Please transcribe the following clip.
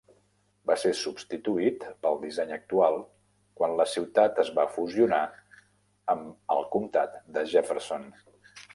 Va ser substituït pel disseny actual quan la ciutat es va fusionar amb el comtat de Jefferson.